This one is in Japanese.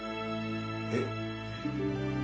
えっ？